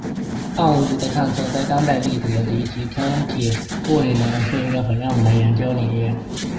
暗物质的探测在当代粒子物理及天体物理领域是一个很热门的研究领域。